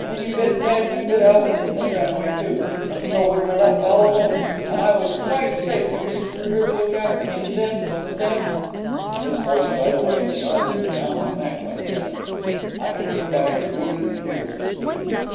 And then you bit Ted and you bit Alfred, and they ran away too. And so we were left all alone, and I was quite safe because you were here to look after me. And then And then ' His voice died away, and the arm that was round my neck went limp, and I could hear by his breathing that he was asleep.